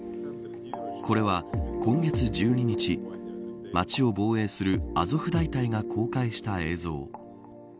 これは、今月１２日町を防衛するアゾフ大隊が公開した映像。